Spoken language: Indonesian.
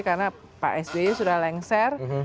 karena pak sby sudah lengser